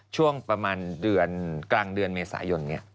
ช่วงประมาณเดือนกลางเดือนเมษายน